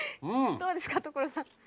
どうですか所さん。